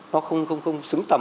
nó không xứng tầm